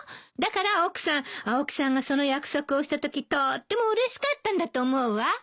だから奥さん青木さんがその約束をしたときとってもうれしかったんだと思うわ。